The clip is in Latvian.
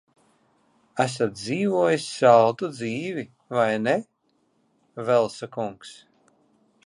Esat dzīvojis saldu dzīvi, vai ne, Velsa kungs?